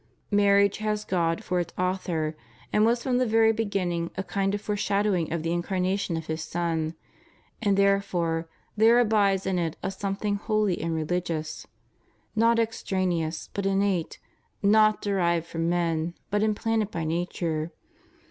Marriage has God for its Author, and was from the very beginning a kind of foreshadowing of the Incarnation of His Son; and there fore there abides in it a something holy and rehg ious; not extraneous, but innate; not derived from men, but implanted by nature.